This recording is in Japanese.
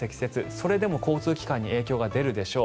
それでも交通機関に影響が出るでしょう。